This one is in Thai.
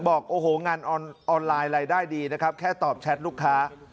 บอกโอ้โหงานออนไลน์รายได้ดีนะครับแค่ตอบแชทลูกค้า